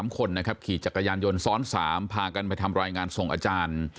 ๓คนนะครับขี่จักรยานยนต์ซ้อน๓พากันไปทำรายงานส่งอาจารย์